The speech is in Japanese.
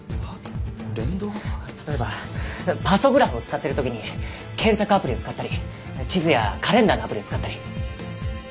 例えばパソグラフを使ってる時に検索アプリを使ったり地図やカレンダーのアプリを使ったり。